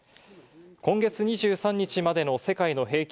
今月２３日までの世界の平均